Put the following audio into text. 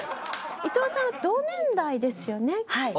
伊藤さん同年代ですよね？